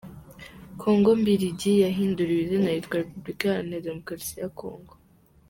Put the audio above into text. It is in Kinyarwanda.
Kongo mbirigi yahinduriwe izina yitwa Repubulika iharanira Demokarasi ya Kongo.